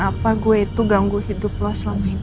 apa gue itu ganggu hidup lo selama ini